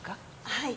はい。